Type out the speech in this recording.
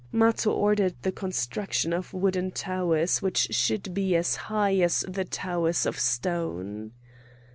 Matho ordered the construction of wooden towers which should be as high as the towers of stone.